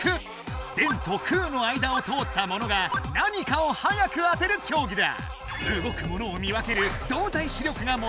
「電」と「空」の間を通ったモノが何かを早く当てる競技だ。